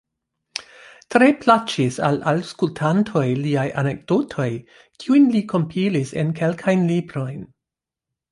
Tre plaĉis al aŭskultantoj liaj anekdotoj, kiujn li kompilis en kelkajn librojn.